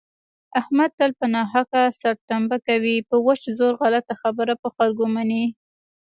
احمد تل په ناحقه سرتنبه کوي په وچ زور غلطه خبره په خلکو مني.